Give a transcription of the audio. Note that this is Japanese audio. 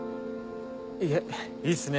いえいいっすね